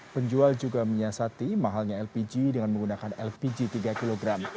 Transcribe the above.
penjual juga menyiasati mahalnya lpg dengan menggunakan lpg tiga kg